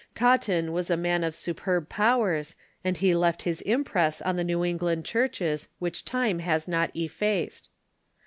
Cotton was a man of superb powers, and he left his impress on the New England churches which time has not effaced.